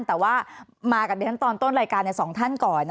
แต่ว่ามากับเดชน์ตอนต้นรายการใน๒ท่านก่อน